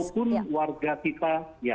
kalaupun warga kita ya